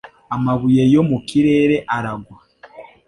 Amabuye yo mu kirere aragwa